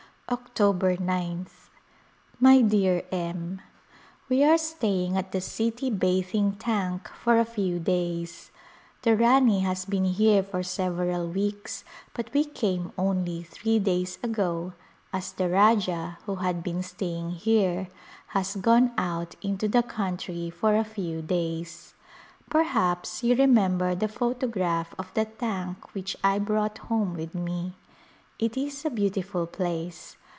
October gth. My dear M : We are staying at the City Bathing Tank for a few days. The Rani has been here for several weeks but we came only three days ago, as the Rajah, who had been staying here, has gone out into the country for a ^qw days. Perhaps you remember the photograph of the tank which I brought home with me. It is a beautiful place.